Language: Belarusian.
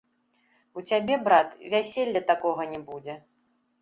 У цябе, брат, вяселля такога не будзе.